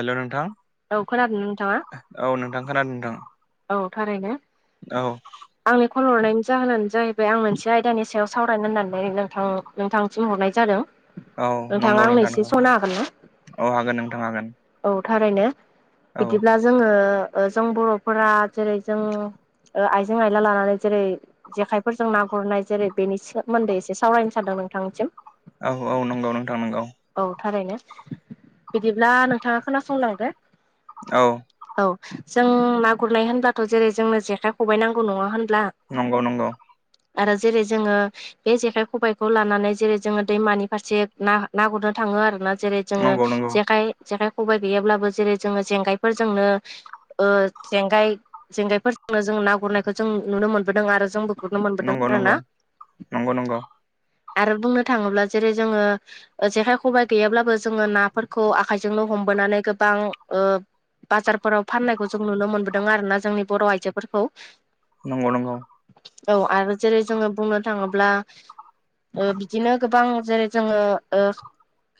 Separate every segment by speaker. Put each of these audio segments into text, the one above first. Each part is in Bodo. Speaker 1: हेलौ नोंथां
Speaker 2: औ खोनादों नोंथाङा
Speaker 1: औ नोंथां खोनादों नोंथां।
Speaker 2: औ थारैनो।
Speaker 1: औ
Speaker 2: आंनि कल हरनायनि जाहोनानो जाहैबाय आं मोनसे आयदानि सायाव सावरायनो होननानै नोंथां नोंथांसिम हरनाय जादों।
Speaker 1: औ
Speaker 2: नोंथाङा
Speaker 1: नंगौ
Speaker 2: आंनो
Speaker 1: नोंथां
Speaker 2: एसे
Speaker 1: नंगौ
Speaker 2: सम होनो हागोन ना
Speaker 1: औ हागोन नोंथां हागोन
Speaker 2: औ थारैनो
Speaker 1: औ
Speaker 2: बिदिब्ला जोङो ओ जों बर'फोरा जेरै जों ओ आइजें आयला लानानै जेरै जेखायफोरजों ना गुरनाय जेरै बेनि सोमोन्दै एसे सावरायनो सानदों नोंथांनिसिम
Speaker 1: औ औ नंगौ नोंथां नंगौ।
Speaker 2: औ थारैनो बिदिब्ला नोंथाङा खोनासंलांदो।
Speaker 1: औ
Speaker 2: औ जों ना गुरनाय होनब्लाथ' जेरै जोंनो जेखाइ खबाइ नांगौ नङा होनब्ला?
Speaker 1: नंगौ नंगौ
Speaker 2: आरो जेरै जोङो बे जेखाइ, खबाइखौ लानानै जेरै जोङो दैमानि फारसे ना ना गुरनो थाङो आरोना जेरै जोङो
Speaker 1: नंगौ नंगौ
Speaker 2: जेखाय जेखाइ, खबायाइ गैयाब्लाबो जेरै जोङो जेंगायफोरजोंनो ओ जेंगाय जेंगायफोरजोंनो जों ना गुरनायखौ जों नुनो मोनबोदों आरो जोंबो गुरनो मोनबोदों आरोना
Speaker 1: नंगौ नंगौ
Speaker 2: आरो बुंनो थाङोब्ला जेरै जोङो ओजेखाय खबाइ गैयाब्लाबो जोङो नाफोरखौ आखाइजोंनो हमबोनानै गोबां ओ बाजारफोराव फाननायखौ जों नुनो मोनबोदों आरोना जोंनि बर' आइजोफोरखौ
Speaker 1: नंगौ नंगौ
Speaker 2: औ आरो जेरै जोङो बुंनो थाङोब्ला ओ बिदिनो गोबां जेरै जोङो ओ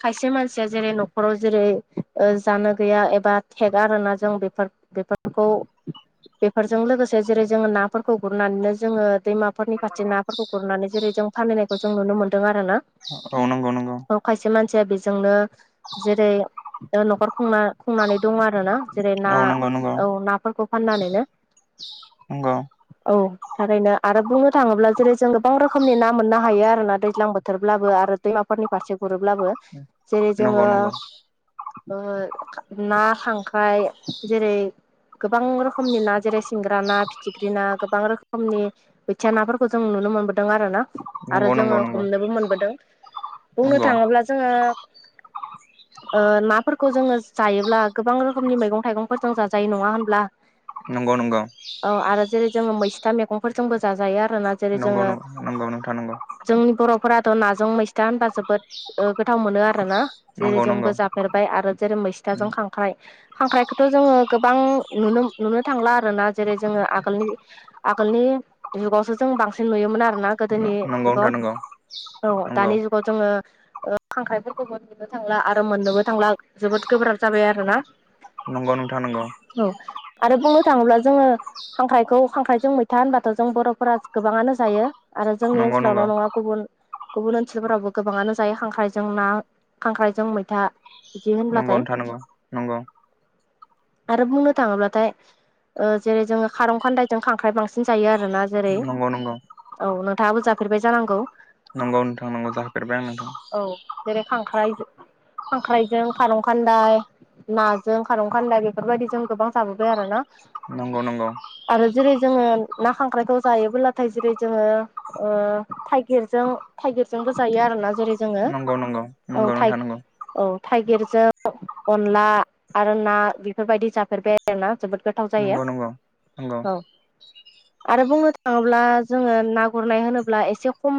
Speaker 2: खायसे मानसिया जेरै न'खराव जेरै ओ जानो गैया एबा थेगा आरोना जों बेफोर खौ बेफोरजों लोगोसे जेरै जोङो नाफोरखौ गुरनानैनो जोङो दैमा फोरफोरनि फारसे नाफोरखौ गुरनानै जेरै जों फानहैनायखौ जों नुनो मोन्दों आरोना
Speaker 1: औ नंगौ नंगौ
Speaker 2: औ खायसे मानसिया बेजोंनो जेरै ओ न'खर खुंना खुंनानै दङ आरोना जेरै ना औ नाफोरखौ फाननानैनो
Speaker 1: औ
Speaker 2: औ थरैनो आरो बुंनो थाङोब्ला जेरै जों गोबां रोखोमनि ना मोननो हायो आरोना दैज्लां बोथोरब्लाबो आरो दैमाफोरनि फारसे गुरोब्लाबो जेरै जोङो
Speaker 1: नंगौ नंगौ
Speaker 2: ओ खा ना खांख्राय जेरै गोबां रोखोमनि ना जेरै सिंग्रा ना, फिथिख्रि ना गोबां रोखोमनि बोथिया नाफोरखौ जों नुनो मोनबोदों आरोना आरो
Speaker 1: नंगौ नंगौ नंगौ
Speaker 2: जोङो हमनोबो मोनबोदों बुंनो
Speaker 1: नंगौ
Speaker 2: थाङोब्ला जोङो ओ नाफोरखौ जोङो जायोब्ला गोबां रोखोमनि मैगं थाइगंफोर जों जा जायो नङा होनब्ला
Speaker 1: नंगौ नंगौ
Speaker 2: औ आरो जेरै जोङो मैस्था मैगंफोरजोंबो जाजायो आरोना जेरै
Speaker 1: नंगौ
Speaker 2: जोङो
Speaker 1: नंगौ नंगौ नोंथां
Speaker 2: जोंनि बर'फोराथ' नाजों मैस्था होनबा जोबोद ओ गोथाव मोनो आरोना जेरै
Speaker 1: नंगौ नंगौ
Speaker 2: जोंबो जाफेरबाय आरो जेरै मैसथाजों खांख्राइ खांख्राइखौथ' जोङो गोबां नुनो नुनो थांला आरोना जेरै जोङो आगोलनि आगोलनि जुगावसो जों बांसिन नुयोमोन आरोना गोदोनि
Speaker 1: नंगौ
Speaker 2: जुगाव
Speaker 1: नोंथां नंगौ
Speaker 2: औ
Speaker 1: नंगौ
Speaker 2: दानि जुगाव जोङो ओ खांख्राइफोरखौबो नुनो थांला आरो मोननोबो थांला जोबोद गोब्राब जाबाय आरोना
Speaker 1: नंगौ नोंथां नंगौ
Speaker 2: औ आरो बुंनो थाङोब्ला जोङो खांख्राइखौ खांख्राइजों मैथा होनबाथ' जों बर'फोरा गोबाङानो जायो आरो जोंनि
Speaker 1: नंगौ नंगौ नोंथां
Speaker 2: ओनसोलावल' नङा गुबुन गुबुन ओनसोलफोरावबो गोबाङानो जायो खांख्रायजों ना खांख्रायजों मैथा बिदि
Speaker 1: नंगौ
Speaker 2: होनब्लाथाय
Speaker 1: नोथां नंगौ नंगौ
Speaker 2: आरो बुंनो थाङोब्लाथाय ओ जेरै जोङो खारं खान्दायजों खांख्राइ बांसिन जायो आर आरोना जेरै
Speaker 1: नंगौ नंगौ नंगौ
Speaker 2: औ नोंथाङाबो जाफेरबाय जानांगौ
Speaker 1: नंगौ नोंथां नंगौ जाफेरबाय आं नोंथां
Speaker 2: औ जेरै खांख्रायजो खांख्राइजों खारं खान्दाय नाजों खारं खान्दाय बे बेफोरबायदि जों गोबां जाबोबाय आरोना
Speaker 1: नंगौ नंगौ।
Speaker 2: आरो जेरै जोङो ना खांख्रायखौ जायोबोब्लाथाय जेरै जोङो ओ थाइगिरजों थाइगिरजोंबो जायो आरोना जेरै जोङो
Speaker 1: नंगौ नंगौ
Speaker 2: औ
Speaker 1: नंगौ
Speaker 2: थाइ
Speaker 1: नोंथा नंगौ
Speaker 2: औ थाइगिरजों अनला आरो ना बेफोरबायदि जाफेरबाय ना जोबोद गोथाव जायो
Speaker 1: नंगौ नंगौ नंगौ
Speaker 2: औ आरो बुंनो थाङोब्ला जोङो ना गुरनाय होनोब्ला एसे खम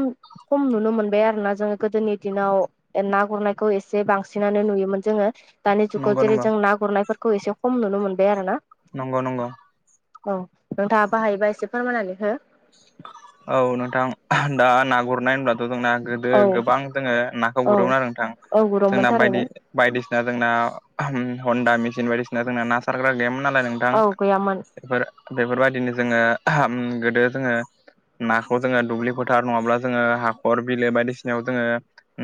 Speaker 2: खम नुनो मोनबाय आरोना जोङो गोदोनि दिनाव ना गुरनायखौ एसे बांसिनानो नुयोमोन जोङो दानि जुगाव
Speaker 1: नंगौ नंगौ
Speaker 2: जेरै जों ना गुरनायफोरखौ एसे खम नुनो मोनबाय आरोना
Speaker 1: नंगौ नंगौ।
Speaker 2: औ नोंथाङा बाहायोबा एसे फोरमायनानै हो
Speaker 1: औ नोंथां दा ना गुरनाय होनब्ला जोंना गोदो
Speaker 2: औ
Speaker 1: गोबां जोङो नाखौ
Speaker 2: औ
Speaker 1: गुरोमोन आरो नोंथां
Speaker 2: औ गुरोमोन
Speaker 1: जोंना बायदि
Speaker 2: थारैनो
Speaker 1: बायदिसिना जोंना हन्दा मेसिन बायदिसिना जोंना ना सारग्रा गैयामोन नालाय नोंथां
Speaker 2: औ गैयामोन।
Speaker 1: बेफोर बेफोरबायदिनो जोङो गोदो जोङो। नाखौ जोङो दुब्लि फोथार नङाब्ला जोङो हाखर बिलो बायदिसिनायाव जोङो।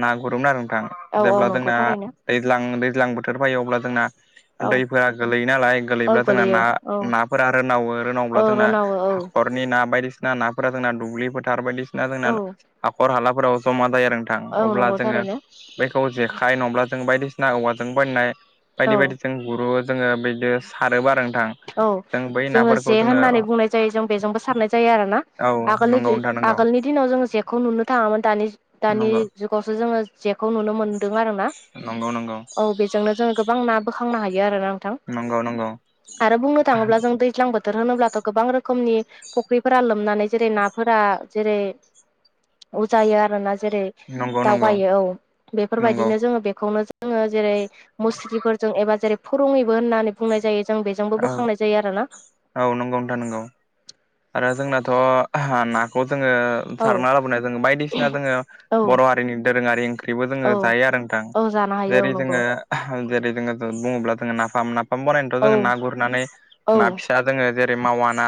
Speaker 1: ना गुरोमोन आरो नोंथां
Speaker 2: औ
Speaker 1: जेब्ला
Speaker 2: नंगौ
Speaker 1: जोंना
Speaker 2: थारैनो
Speaker 1: दैज्लां दैज्लां बोथोर फायो अब्ला जोंना।
Speaker 2: औ
Speaker 1: दैफोरा गोलैयो नालाय
Speaker 2: औ
Speaker 1: गोलैब्ला जोंना
Speaker 2: गोलैयो
Speaker 1: ना
Speaker 2: औ
Speaker 1: नाफोरा रोनावो
Speaker 2: औ
Speaker 1: रोनावब्ला जोंना
Speaker 2: रोनावो औ
Speaker 1: हाखर नि ना बायदिसिना नाफोरा जोंना दुब्लि फोथार बायदिसिना जोंना
Speaker 2: औ
Speaker 1: हाखर हालाफोराव ज'मा जायो आरो।
Speaker 2: औ
Speaker 1: अब्ला
Speaker 2: नंगौ
Speaker 1: जोङो
Speaker 2: थारैनो
Speaker 1: बेखौ जेखाइ नङाब्ला जों बायदिसिना औवाजों बायनाय
Speaker 2: औ
Speaker 1: बायदि बायदि जों गुरु जोङो बिदिनो सारोबो आरो नोंथां
Speaker 2: औ
Speaker 1: जों बै
Speaker 2: जोङो
Speaker 1: नाफोरखौ
Speaker 2: जे होननानै बुंनाय जायो जों बेजोंबो सारनाय जायो आरो ना।
Speaker 1: औ नंगौ
Speaker 2: आगोलनि
Speaker 1: नोंथां
Speaker 2: [unintelligible]
Speaker 1: नंगौ
Speaker 2: आगोलनि दिनाव जोङो जेखौ नुनो थाङामोन दानि दानि
Speaker 1: नंगौ
Speaker 2: जुगावसो जोङो जेखौ नुनो मोनो आरोना
Speaker 1: नंगौ नंगौ
Speaker 2: औ बेजोंनो जोङो गोबां ना बोखांनो हायो आरोना नोंथां
Speaker 1: नंगौ नंगौ।
Speaker 2: आरो बुंनो थाङोब्ला जों दै दैज्लां बोथोर होनोब्लाथ' गोबां रोखोमनि फुख्रिफोरा लोमनानै जेरै नाफोरा जेरै उजायो आरोना जेरै
Speaker 1: नंगौ नंगौ
Speaker 2: दावगायो औ
Speaker 1: नंगौ
Speaker 2: बेफोरबायदिनो जोङो बेखौनो जोङो जेरै मुस्रिफोरजों एबा जेरै फोरुङैबो होननानै बुंनाय जायो जों बेजोंबो
Speaker 1: औ
Speaker 2: बोखांनाय जायो आरोना
Speaker 1: औ नंगौ नोंथां नंगौ आरो जोंनाथ' नाखौ जोङो
Speaker 2: औ
Speaker 1: सारना लाबोना जोङो बायदिसिना जोङो
Speaker 2: औ
Speaker 1: बर' हारिनि दोरोङारि ओंख्रिबो जोङो
Speaker 2: औ
Speaker 1: जायो आरो नोंथां
Speaker 2: औ जानो हायो औ
Speaker 1: जेरै
Speaker 2: नंगौ
Speaker 1: जोङो जेरै जोङो बुङोब्ला जोङो नाफाम नाफाम बानायनोथ'
Speaker 2: औ
Speaker 1: जोङो ना गुरनानै
Speaker 2: औ
Speaker 1: ना फि दा जोङो जेरै मावा ना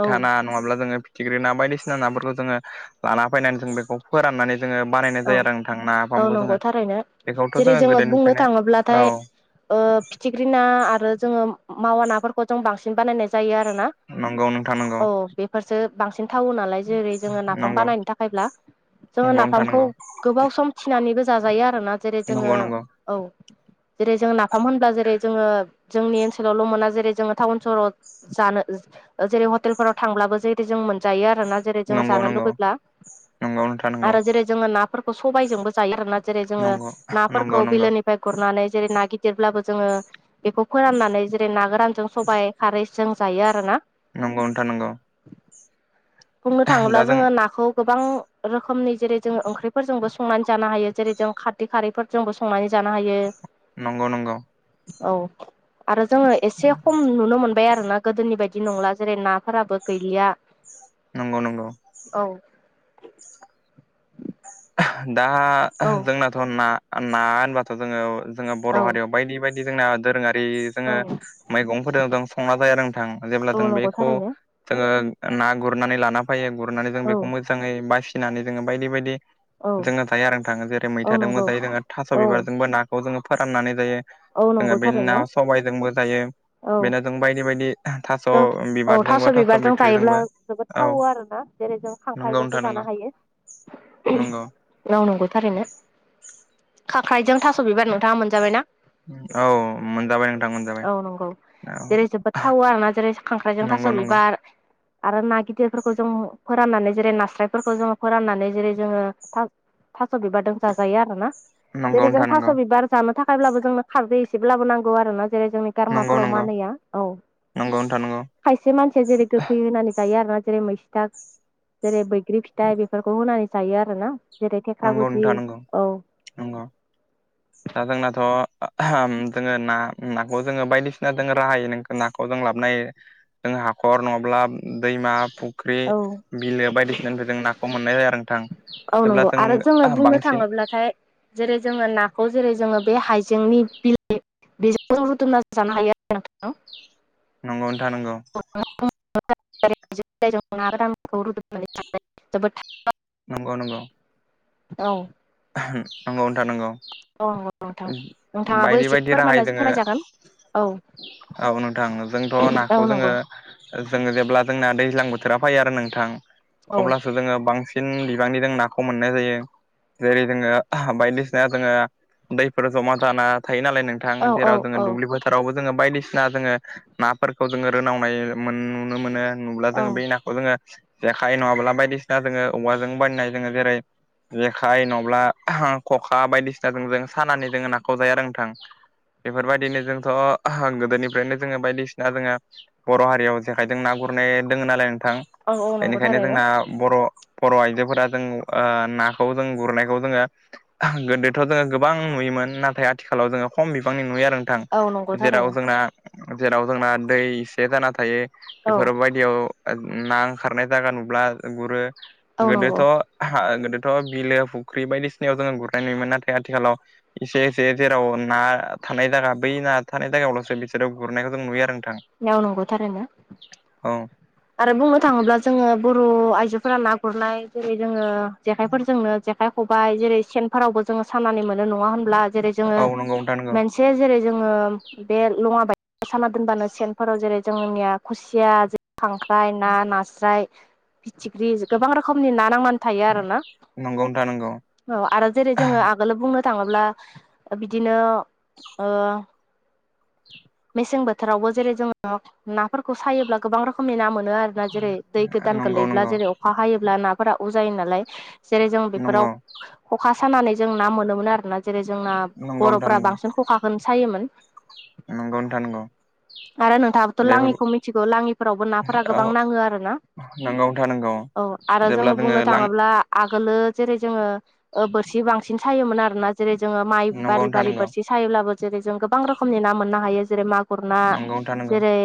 Speaker 2: औ
Speaker 1: ना नङाब्ला जोङो फिथिख्रि ना बायदिसिना नाफोरखौ जोङो लाना फैनानै जों बेखौ फोराननानै जोङो बानायनाय
Speaker 2: औ
Speaker 1: जायो आरो नोंथां
Speaker 2: औ
Speaker 1: नाफामखौ
Speaker 2: नंगौ
Speaker 1: जोङो
Speaker 2: थारैनो
Speaker 1: बेखौथ'
Speaker 2: जेरै
Speaker 1: जोङो
Speaker 2: बुंनो
Speaker 1: गोदोनिफ्रायनो औ
Speaker 2: थाङोब्लाथाय ओ फिथिख्रि ना आरो जोङो मावा नाफोरखौ जों बांसिन बानायनाय जायो आरो
Speaker 1: नंगौ नोंथां नंगौ
Speaker 2: औ बेफोरसो बांसिन थावो नालाय जेरै जोङो नाफाम
Speaker 1: नंगौ
Speaker 2: बानायनो थाखायब्ला जोङो
Speaker 1: नंगौ नोंथां
Speaker 2: नाफामखौ
Speaker 1: नंगौ
Speaker 2: गोबाव सम थिनानैबो जाजायो आरोना जेरै
Speaker 1: नंगौ
Speaker 2: जोङो औ जेरै जों नाफाम होनब्ला जेरै जोङो जोंनि ओनसोलावल' मोना जेरै जोङो टाउन सहराव जानो ओ जेरै हटेलफोराव थांब्लाबो जेरै जों जायो आरोना जेरै जों
Speaker 1: नंगौ नंगौ
Speaker 2: जानो लुबैब्ला
Speaker 1: नंगौ नोंथां
Speaker 2: आरो जेरै जोङो नाफोरखौ सबायजोंबो जायो आरोना जेरै जोङो
Speaker 1: नंगौ नंगौ नंगौ
Speaker 2: नाफोरखौ बिलोनि। गुरनानै जेरै ना गिदिरब्लाबो जोङो। बेखौ फोराननानै जेरै ना गोरानजों सबाइ खारै जों जायो आरो ना।
Speaker 1: नंगौ नोंथां नंगौ‌।
Speaker 2: बुंनो थाङोब्ला
Speaker 1: जों
Speaker 2: जोङो नाखौ गोबां रोखोमनि जेरै जोङो ओंख्रि फोरजोंबो संनानै जानो हायो जेरै जों खारदै खारैफोरजोंबो संनानै जानो हायो
Speaker 1: नंगौ नंगौ
Speaker 2: औ आरो जोङो एसे खम नुनो मोनबाय आरोना गोदोनि बायदि नंला जेरै नाफोराबो गैलिया
Speaker 1: नंगौ नंगौ।
Speaker 2: औ। [inaudible]
Speaker 1: दा
Speaker 2: औ
Speaker 1: जोंनाथ' ना ना होनबाथ' जोङो जोङो बर'
Speaker 2: औ
Speaker 1: हारियाव। बायदि बायदि जोंना दोरोङारि। जोङो
Speaker 2: औ
Speaker 1: मैगंफोरजों जों संना जाया नोंथां
Speaker 2: औ
Speaker 1: जेब्ला जों
Speaker 2: नंगौ
Speaker 1: बेखौ।
Speaker 2: थारैनो
Speaker 1: जोङो ना गुरनानै लाना फैयो गुरनानै जों
Speaker 2: औ
Speaker 1: बेखौ मोजाङै बासिनानै जोङो बायदि बायदि।
Speaker 2: औ
Speaker 1: जोङो जायो आरो थाङो जेरै
Speaker 2: औ
Speaker 1: मैथोंबो
Speaker 2: नंगौ
Speaker 1: जायो जोङो थास'
Speaker 2: औ
Speaker 1: बिबारजोंबो नाखौ जोङो फोराननानै जायो।
Speaker 2: औ
Speaker 1: जोङो
Speaker 2: नंगौ
Speaker 1: बे ना
Speaker 2: थारैनो
Speaker 1: सबायजोंबो जायो।
Speaker 2: औ
Speaker 1: बेना जों बायदि बायदि थास'
Speaker 2: जों औ
Speaker 1: बिबारजोंबो थास'
Speaker 2: बिबारजों जायोब्ला
Speaker 1: बिथट्रिजोंबो।
Speaker 2: जोबोद थावो आरो ना जेरै जों खांख्रायजोंबो
Speaker 1: नंगौ
Speaker 2: जानो हायो।
Speaker 1: नंगौ
Speaker 2: मावनांगौ थारैनो खांख्राइजों थास' बिबार नोंथाङा मोनजाबायना।
Speaker 1: औ औ मोनजाबाय नोंथां मोनजाबाय।
Speaker 2: औ नंगौ।
Speaker 1: औ
Speaker 2: जेरै जोबोद थावो आरोना जेरै खांख्राइजों थास'
Speaker 1: नंगौ नंगौ
Speaker 2: बिबार। आरो ना गिदिरफोरखौ जों फोराननानै जेरै नास्रायफोरखौ जोङो फोराननानै जेरै जोङो। थास' बिबारजों जाजायो आरोना
Speaker 1: नंगौ
Speaker 2: जेरै जों
Speaker 1: नोंथां नंगौ
Speaker 2: थास' बिबार जानो थाखायब्लाबो जोंनो। खारदै एसेब्लाबो नांगौ आरो ना जेरै जोंनि।
Speaker 1: नंगौ
Speaker 2: गारामाफोराव
Speaker 1: नंगौ
Speaker 2: मानैया औ
Speaker 1: नंगौ नोंथां नंगौ
Speaker 2: खायसे मानसिया जेरै गोखै होनानै। जायो आरोना जेरै मैसिथा जेरै बैग्रि फिथाइ बेफोरखौ होनानै जायो आरो ना।
Speaker 1: नंगौ नोंथां नंगौ नंगौ।
Speaker 2: [inaudible]
Speaker 1: दा जोंनाथ' जोङो ना नाखौ जोङो बायदिसिना जोंनो राहायै नों नाखौ जों लाबोनो हायो। जों हाखर नङाब्ला दैमा फाख्रि। फुख्रि
Speaker 2: औ
Speaker 1: बिलो बायदिसिनानिफ्राय जों नाखौ मोननाय जायो आरो नोंथां।
Speaker 2: औ
Speaker 1: जेब्ला
Speaker 2: नंगौ
Speaker 1: जों
Speaker 2: आरो जोङो बुंनो
Speaker 1: बांसिन
Speaker 2: थाङोब्लाथाय। जेरै जोङो नाखौ जेरै जोङो बे हाइजेंनि बिलाइ। बेजों रुथुमना जानो हायो आरो नोंथां।
Speaker 1: नंगौ नोंथां नंगौ।
Speaker 2: अ [inaudible] ना ग्रामखौ रुदनानै जोबोद [unintelligible]
Speaker 1: नंगौ नंगौ।
Speaker 2: औ।
Speaker 1: नंगौ नोंथां नंगौ।
Speaker 2: औ औ नोंथां नोंथाङाबो
Speaker 1: बायदि
Speaker 2: एसे
Speaker 1: बायदि राहायै
Speaker 2: फोरमायना
Speaker 1: जोङो
Speaker 2: फोरायजागोन औ।
Speaker 1: औ नोंथां जोंथ'
Speaker 2: औ
Speaker 1: नाखौ जोङो।
Speaker 2: नंगौ
Speaker 1: जोङो जेब्ला जोंना दैज्लां बोथोरा फैयो आरो नोंथां
Speaker 2: औ
Speaker 1: अब्लासो। जोङो बांसिन बिबांनि जों नाखौ मोननाय जायो। जेरै जोङो बायदिसिना जोङो दैफोर जमा जाना थायो नालाय नों। नोंथां
Speaker 2: औ औ औ
Speaker 1: रावुबलि फ [unintelligible] जेरावबो जोङो बायदिसिना जोङो नाफोरखौ जोङो रोनावनाय नुनो मोनो नुब्ला
Speaker 2: औ
Speaker 1: जोङो बे नाखौ। जोङो जेखाइ नङाब्ला बायदिसिना जोङो औवाजों बायनाय जोङो जेरै आखाइ नङाब्ला ख'खा बायदिसिनाजों जों सानानानै जोङो नाखौ जाया आरो नोंथां बेफोरबायदिनो जोंथ' गोदोनिफ्रायनो जोङो बायदिसिना जोङो बर' हारियाव जेखायजों ना गुरनाय दोङ नालाय नोंथां
Speaker 2: औ नंगौ
Speaker 1: बेनिखायनो
Speaker 2: थारैनो
Speaker 1: जोंना बर' बर' आइजोफोरा जों ना खौ जों गुरनायखौ जोङो गोदोथ' जोङो गोबां नुयोमोन नाथाय आथिखालाव जोङो खम बिबांनि नुयो आरो
Speaker 2: औ नंगौ
Speaker 1: जेराव
Speaker 2: थारैनो
Speaker 1: जोंना जेराव जोंना दै एसे जाना थायो
Speaker 2: औ
Speaker 1: बेफोरबायदि याव ना ओंखारनाय जायगा नुब्ला गुरो
Speaker 2: औ नंगौ
Speaker 1: गोदोथ' गोदो थ' बिलो फुख्रि बायदिसिनायाव जोङो गुरनाय नुोमोन नाथाय आथिखालाव एसे एसे जेराव ना थानाय जायगा बै ना थानाय जायगायावल'सो बिसोराव गुरनायखौ जों नुयो आरो नोंथां
Speaker 2: औ नंगौ थारैनो
Speaker 1: औ
Speaker 2: आरो बुंनो थाङोब्ला जोङो बर' आइजोफोरा ना गुरनाय जेरै जोङो जेखायफोरजोंनो जेखाइ खबायाइ जेरै सेनफोरावबो जोङो साननानै मोनो नङा होनब्ला जेरै जोङो
Speaker 1: औ नंगौ नोंथां नंगौ
Speaker 2: मोनसे जेरै जोङो बे लङा बाय साना दोनबानो सेनफोराव जेरै जोंनिया खुसिया खांख्राइ ना नास्राय फिथिख्रि गोबां रोखोमनि नाना मान थायो आरोना
Speaker 1: नंगौ नोंथां नंगौ।
Speaker 2: औ आरो जेरै जोङो आगोल बुंनो थाङोब्ला बिदिनो ओ मेसें बोथोरावबो जेरै जोङो नाफोरखौ सायोब्ला गोबां रोखोमनि ना मोनो आरो जेरै दै गोदानखौ
Speaker 1: नंगौ
Speaker 2: लैब्ला
Speaker 1: नंगौ नंगौ
Speaker 2: जेरै अखा हायोब्ला नाफोरा उ जायो नालाय जेरै जों बेफोराव खखा सानानै जों ना मोनोमोन आरोना जेरै जोंना
Speaker 1: नंगौ
Speaker 2: बर'फ्रा बांसिन खखाखौनो सायोमोन
Speaker 1: नोंगौ नोंथाङ नंगौ
Speaker 2: आरो नोंथाङाबोथ'
Speaker 1: बेफोर
Speaker 2: लाङिखौ मिथिगौ लाङिफोरावबो नाफोरा
Speaker 1: औ
Speaker 2: गोबां नाङो आरो ना
Speaker 1: नंगौ नोंथां नंगौ
Speaker 2: औ आरो
Speaker 1: जेब्ला
Speaker 2: जोङो बुंनो
Speaker 1: लां
Speaker 2: थाङोब्ला आगोलो जेरै जोङो बोरसि बांसिन सायोमोन आरोना जेरै जोङो माइ
Speaker 1: नंगौ
Speaker 2: बारि
Speaker 1: नोंथां
Speaker 2: बारि
Speaker 1: नंगौ
Speaker 2: बोरसि सायोब्लाबो जेरै जों गोबां रोखोमनि ना मोननो हायो जेरै मागुर ना
Speaker 1: नंगौ नोंथां नंगौ
Speaker 2: जेरै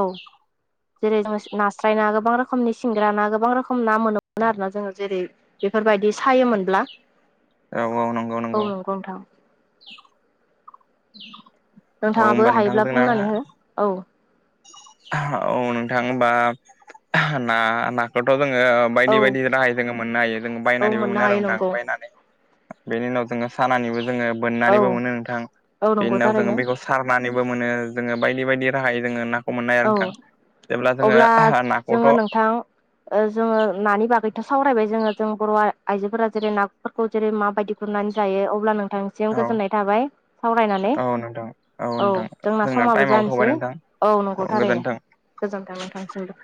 Speaker 2: औ जेरै जोङ नास्राय ना गोबां रोखोमनि सिंग्रा ना गोबां रोखोम ना मोनोमोन आरो ना जोङो जेरै बेफोरबायदि सायोमोनब्ला
Speaker 1: औ औ नंगौ
Speaker 2: औ
Speaker 1: नंगौ
Speaker 2: नोंथां
Speaker 1: औ
Speaker 2: नोंथाङाबो
Speaker 1: होमबा नोंथां
Speaker 2: हायोब्ला
Speaker 1: जोंना
Speaker 2: बुंनानै हो औ
Speaker 1: औ नोंथांबा ना नाखौथ' जोङो
Speaker 2: औ
Speaker 1: बायदि बायदि राहाय जोङो मोननो हायो जों
Speaker 2: औ
Speaker 1: बायनानैबो
Speaker 2: मोननो
Speaker 1: मोनो आरो
Speaker 2: हायो
Speaker 1: नोंथां
Speaker 2: नंगौ
Speaker 1: बायनानै बेनि उनाव जोङो सानानिबो जोङो
Speaker 2: औ
Speaker 1: बोननानैबो मोनो नोंथां
Speaker 2: औ
Speaker 1: बेनि
Speaker 2: नंगौ
Speaker 1: उनाव जोङो
Speaker 2: थारैनो
Speaker 1: बेखौ सारनानैबो मोनो जोङो बायदि बायदि राहायै जोङो ना मोननाय आरो
Speaker 2: औ
Speaker 1: नोंथां जेब्ला
Speaker 2: अब्ला
Speaker 1: जोङो
Speaker 2: जोङो
Speaker 1: नाखौथ'
Speaker 2: नोंथां जोङो नानि बागैथ' सावरायबाय जोङो जों बर' आइजोफोरा जेरै नाफोरखौ जेरै माबायदि बुखुमनानै जायो अब्ला नोंथां बिथिम
Speaker 1: औ
Speaker 2: गोजोननाय थाबाय सावरायनानै
Speaker 1: औ नोंथां नोंथां
Speaker 2: औ जोंना समाबो
Speaker 1: टाइमाबो थौबाय
Speaker 2: जानोसै
Speaker 1: नोंथां
Speaker 2: औ नंगौ थारैनो गोजोनथों थांसिमबो